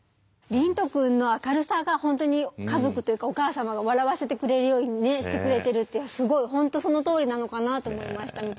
龍翔くんの明るさが本当に家族というかお母様を笑わせてくれるようにねしてくれてるってすごい本当そのとおりなのかなと思いました